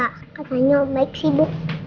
katanya om baik sibuk